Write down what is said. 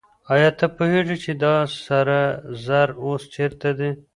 آیا ته پوهېږې چې دا سره زر اوس چېرته دي؟